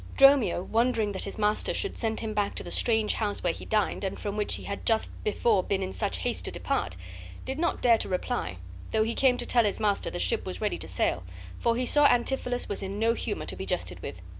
Dromio, wondering that his master should send him back to the strange house where he dined, and from which he had just before been in such haste to depart, did not dare to reply, though he came to tell his master the ship was ready to sail, for he saw Antipholus was in no humor to be jested with.